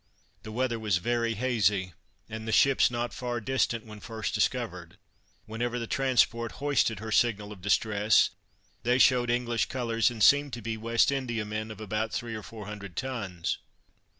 The weather was very hazy, and the ships not far distant when first discovered; whenever the transport hoisted her signal of distress, they shewed English colors, and seemed to be West Indiamen; of about three or four hundred tons.